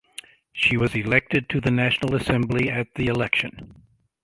She was elected to the National Assembly at the election.